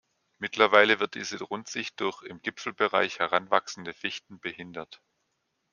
Mittlerweile wird diese Rundsicht durch im Gipfelbereich heranwachsende Fichten behindert.